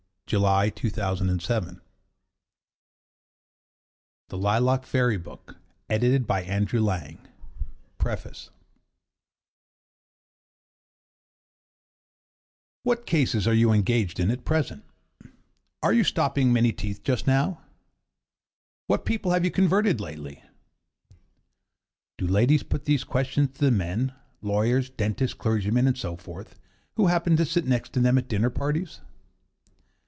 Shaffer and David Widger THE LILAC FAIRY BOOK Edited by Andrew Lang Preface 'What cases are you engaged in at present?' 'Are you stopping many teeth just now?' 'What people have you converted lately?' Do ladies put these questions to the men lawyers, dentists, clergymen, and so forth who happen to sit next them at dinner parties?